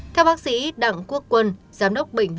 theo bác sĩ đặng quốc quân